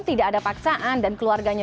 tidak ada paksaan dan keluarganya